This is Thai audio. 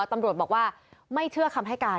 ตำรวจบอกว่าไม่เชื่อคำให้การ